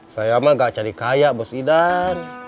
saya mah gak cari kayak bos idan